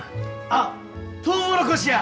あっトウモロコシや！